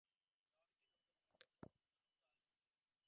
The origin of the name of Springer Mountain is unclear.